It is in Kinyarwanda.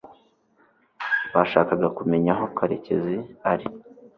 bashakaga kumenya aho karekezi ari